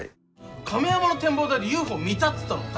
亀山の展望台でＵＦＯ見たっつったの誰？